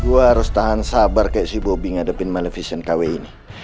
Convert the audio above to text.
gue harus tahan sabar kayak si bobi ngadepin malefisien kw ini